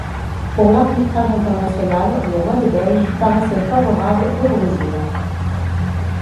Pour l'arbitrage international, le roi des Belges paraissait favorable au Brésil.